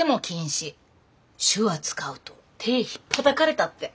手話使うと手ひっぱたかれたって。